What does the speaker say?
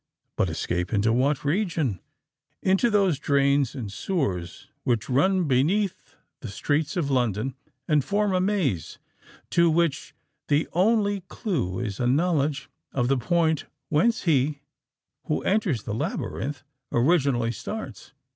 But escape into what region? Into those drains and sewers which run beneath the streets of London, and form a maze to which the only clue is a knowledge of the point whence he, who enters the labyrinth, originally starts!